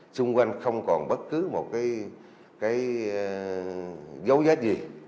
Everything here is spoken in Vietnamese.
xung quanh không còn bất cứ một cái dấu vết gì